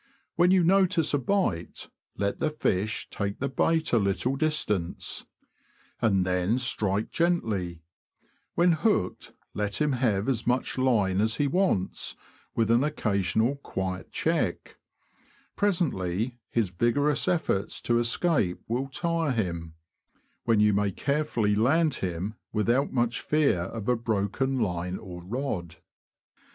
When you notice a bite, let the fish take the bait a little distance, and then strike gently ; when hooked, let him have as much line as he wants, with an occasional quiet check ; presently, his vigorous efforts to escape will tire him, when you may carefully land him, without much fear of a broken line or rod.